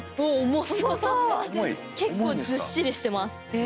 結構ずっしりしてます。え。